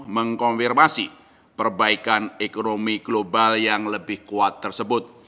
mengkonfirmasi perbaikan ekonomi global yang lebih kuat tersebut